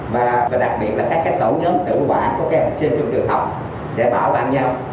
và đặc biệt là các tổng nhóm tử quả của các em học sinh trong trường học sẽ bảo vệ nhau